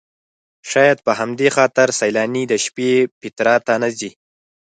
شاید په همدې خاطر سیلاني د شپې پیترا ته نه ځي.